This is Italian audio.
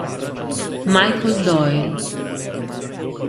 Michael Doyle